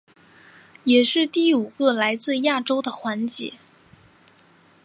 也是第五个来自亚洲的环姐。